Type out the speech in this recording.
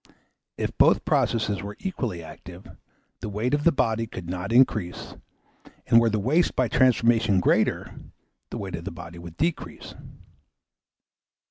If both processes were equally active, the weight of the body could not increase; and were the waste by transformation greater, the weight of the body would decrease.